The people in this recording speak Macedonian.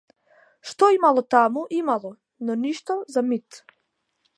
Што имало таму, имало, но ништо за мит.